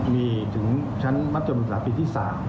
มีถึงชั้นมศปี๓